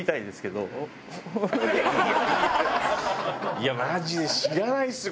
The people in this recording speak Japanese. いやマジで知らないっすよ！